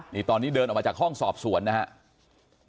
นี่ตอนนี้เดินออกมาจากห้องสอบสวนนะครับ